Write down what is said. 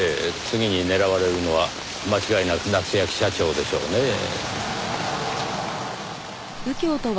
次に狙われるのは間違いなく夏焼社長でしょうねぇ。